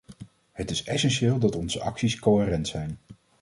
Het is essentieel dat onze acties coherent zijn.